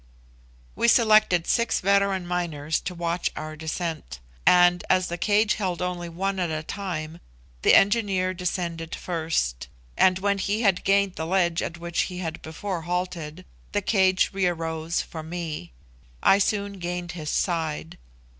We selected six veteran miners to watch our descent; and as the cage held only one at a time, the engineer descended first; and when he had gained the ledge at which he had before halted, the cage rearose for me. I soon gained his side.